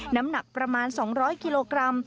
น้ำหนักประมาณ๒๐๐กิโลกรัม